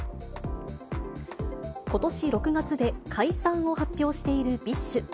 ことし６月で解散を発表しているＢｉＳＨ。